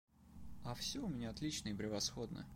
А все у меня отлично и превосходно.